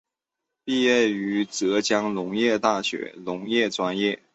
毕业于浙江农业大学农学专业。